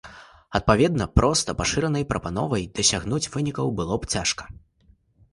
Адпаведна, проста пашыранай прапановай дасягнуць вынікаў было б цяжка.